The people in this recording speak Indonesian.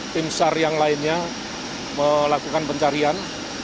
tim sar yang lainnya melakukan pencarian